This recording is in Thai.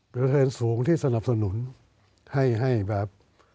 กระทรวงสูงที่สนับสนุนให้แบบ